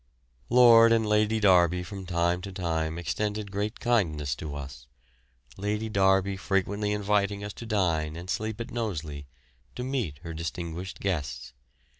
Lord and Lady Derby from time to time extended great kindness to us, Lady Derby frequently inviting us to dine and sleep at Knowsley, to meet her distinguished guests.